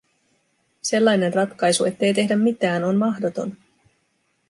Sellainen ratkaisu, ettei tehdä mitään, on mahdoton.